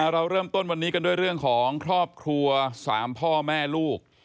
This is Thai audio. เราเริ่มต้นวันนี้กันด้วยเรื่องของครอบครัว๓พ่อแม่ลูก